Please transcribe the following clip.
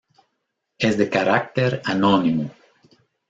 Es de carácter anónimo.